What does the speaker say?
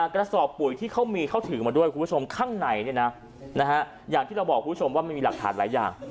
กระสอบปุ๋ยที่เขามีเขาถือมาด้วยคุณผู้ชมข้างในอย่างที่เราบอกคุณผู้ชมว่ามันมีหลักฐานหลายอย่าง